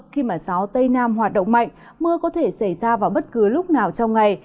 khi mà gió tây nam hoạt động mạnh mưa có thể xảy ra vào bất cứ lúc nào trong ngày